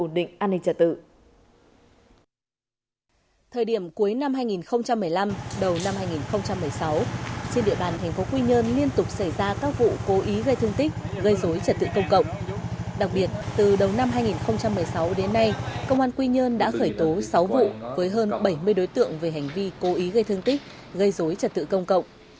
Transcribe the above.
đặc biệt từ đầu năm hai nghìn một mươi sáu đến nay công an quy nhơn đã khởi tố sáu vụ với hơn bảy mươi đối tượng về hành vi cố ý gây thương tích gây dối trật tự công cộng